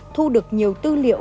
thu được nhiều tư liệu